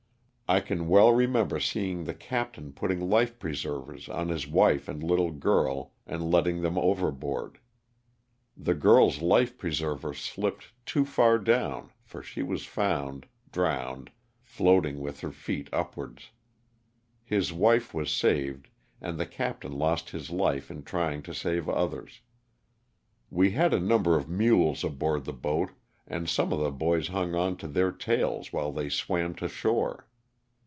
I can well remember seeing the captain put ting life preservers on his wife and little girl and letting them overboard. The girl's life preserver slipped too far down for she was found (drowned) floating with her feet upwards. His wife was saved and the captain lost his life in trying to save others. We had a number of mules aboard the boat and some of the boys hung on to their tails while they swam to shore.